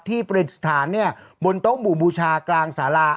ที่เป็นสถานเนี่ยบนตรงบูบูชากรางสาลา